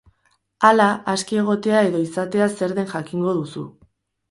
Hala, aske egotea edo izatea zer den jakingo duzu.